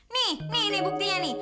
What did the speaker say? nih nih buktinya nih